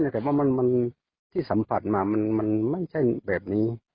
แต่ว่าที่สัมผัสมามันไม่ใช่แบบนี้